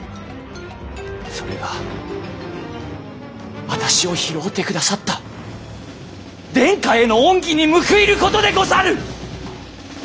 それが私を拾うてくださった殿下への恩義に報いることでござる！